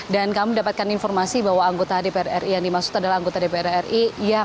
dan kami mendapatkan informasi bahwa anggota dpr ri yang dimaksud adalah anggota dpr ri